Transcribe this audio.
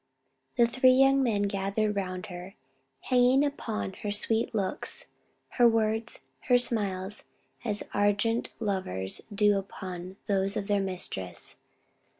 The three young men gathered round her, hanging upon her sweet looks, her words, her smiles, as ardent lovers do upon those of their mistress.